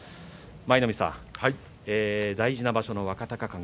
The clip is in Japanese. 舞の海さん、大事な場所の若隆景